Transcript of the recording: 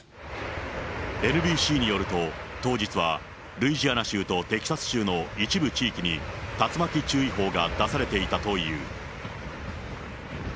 ＮＢＣによると、当日は、ルイジアナ州とテキサス州の一部地域に、竜巻注意報が出されていたという。